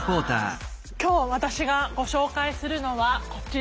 今日私がご紹介するのはこちら。